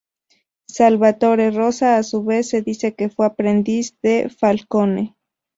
Salvatore Rosa, a su vez, se dice que fue aprendiz de Falcone.